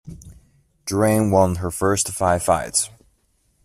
Draine won her first five fights.